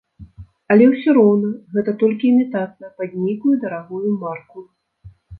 Але ўсё роўна гэта толькі імітацыя пад нейкую дарагую марку.